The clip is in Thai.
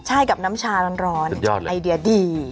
ใช่กับน้ำชาร้อนไอเดียดี